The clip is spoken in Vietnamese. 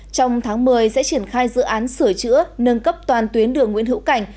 trong tháng một mươi sẽ triển khai dự án sửa chữa nâng cấp toàn tuyến đường nguyễn hữu cảnh